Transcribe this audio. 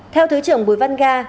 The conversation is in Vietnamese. theo thứ trưởng bùi văn ga